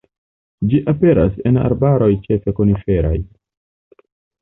Ĝi aperas en arbaroj ĉefe koniferaj.